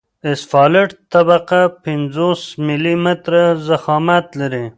د اسفالټ طبقه پنځوس ملي متره ضخامت لري